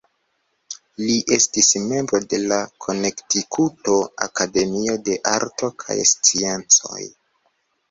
Li estis membro de la Konektikuto Akademio de Arto kaj Sciencoj.